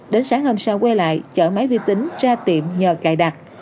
đến sáng hôm sau quay lại chở máy vi tính ra tiệm nhờ cài đặt